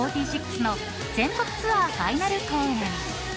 ４６の全国ツアーファイナル公演。